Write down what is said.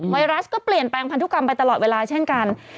ไวรัสก็เปลี่ยนแปลงพันธุกรรมไปตลอดเวลาเช่นกัน